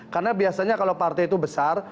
karena biasanya kalau partai itu besar